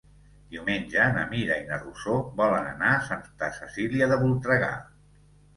Diumenge na Mira i na Rosó volen anar a Santa Cecília de Voltregà.